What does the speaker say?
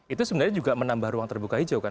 itu sebenarnya juga menambah ruang terbuka hijau kan